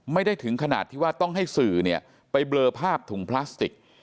ไม่ได้ถึงขนาดที่ว่าต้องให้สื่อเนี่ยไปเบลอภาพถุงพลาสติก